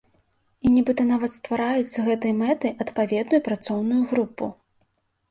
І нібыта нават ствараюць з гэтай мэтай адпаведную працоўную групу.